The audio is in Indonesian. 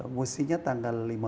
mesti nya tanggal lima belas